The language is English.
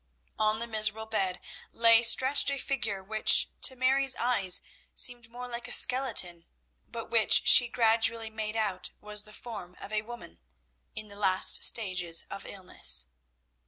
On the miserable bed lay stretched a figure which to Mary's eyes seemed more like a skeleton, but which she gradually made out was the form of a woman, in the last stages of illness.